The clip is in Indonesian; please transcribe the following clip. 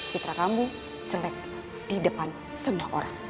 citra kamu jelek di depan semua orang